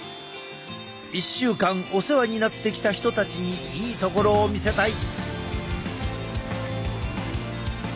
１週間お世話になってきた人たちにいいところを見せたい。